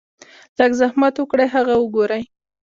لږ زحمت اوکړئ هغه اوګورئ -